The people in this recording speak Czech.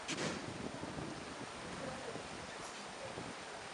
Celé je to ovšem poněkud deprimující.